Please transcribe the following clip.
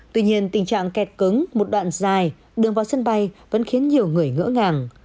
tuy nhiên tình trạng kẹt cứng một đoạn dài đường vào sân bay vẫn khiến nhiều người ngỡ ngàng